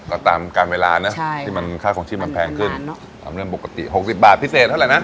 ต่อตามการเวลาเนอะใช่ที่มันค่าของชิ้นมันแพงขึ้นอันนั้นปกติหกสิบบาทพิเศษเท่าไรนะ